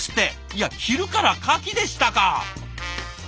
いや昼からカキでしたか！